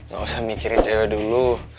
gak usah mikirin cewek dulu